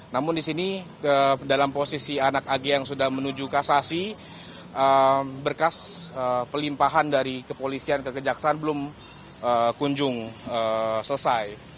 namun disini dalam posisi anak ag yang sudah menuju kasasi berkas pelimpahan dari kepolisian kekejaksaan belum kunjung selesai